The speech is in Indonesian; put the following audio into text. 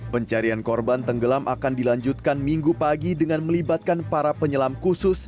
pencarian korban tenggelam akan dilanjutkan minggu pagi dengan melibatkan para penyelam khusus